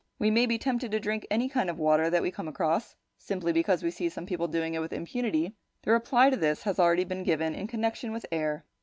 We may be tempted to drink any kind of water that we come across, simply because we see some people doing it with impunity. The reply to this has already been given in connection with air.